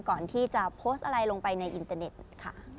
ก่อนที่จะโพสต์อะไรลงไปในอินเตอร์เน็ตค่ะ